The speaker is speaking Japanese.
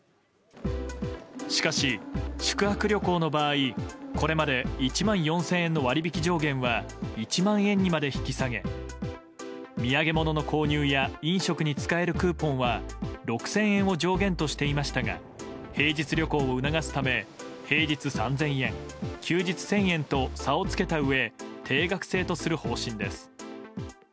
しかし、宿泊旅行の場合これまで１万４０００円の割引上限は１万円にまで引き下げ土産物の購入や飲食に使えるクーポンは６０００円を上限としていましたが平日旅行を促すため平日３０００円休日１０００円と差をつけたうえ定額制とする方針です。